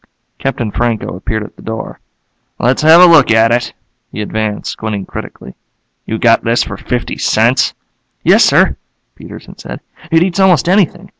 Captain Franco appeared at the door. "Let's have a look at it." He advanced, squinting critically. "You got this for fifty cents?" "Yes, sir," Peterson said. "It eats almost anything.